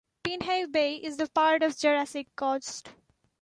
Pinhay Bay is Part of the Jurassic Coast.